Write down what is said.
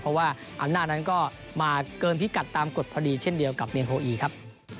เพราะว่าอำนาจนั้นก็มาเกินพิกัดตามกฎพอดีเช่นเดียวกับเมียนโฮอีครับ